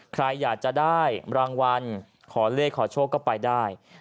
ใครอยากจะได้รางวัลขอเลขขอโชคก็ไปได้